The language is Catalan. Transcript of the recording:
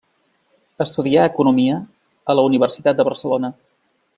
Estudià economia a la Universitat de Barcelona.